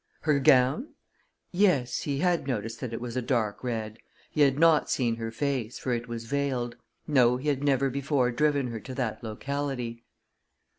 Her gown? Yes, he had noticed that it was a dark red. He had not seen her face, for it was veiled. No, he had never before driven her to that locality.